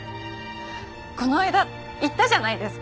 この間言ったじゃないですか。